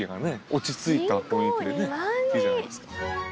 落ち着いた雰囲気でねいいじゃないですか。